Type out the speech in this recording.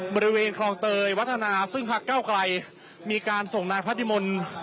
บริเวณคลองเตยวัฒนาซึ่งพักเก้าไกลมีการส่งนายพัทธิมนต์